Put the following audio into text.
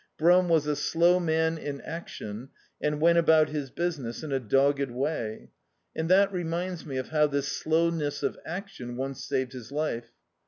Brum was a slow man in action and went about his business in a dogged way. And that re* minds me of how this slowness of action once saved his life.